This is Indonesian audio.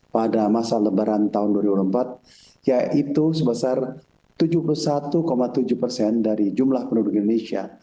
pada masa lebaran tahun dua ribu empat yaitu sebesar tujuh puluh satu tujuh persen dari jumlah penduduk indonesia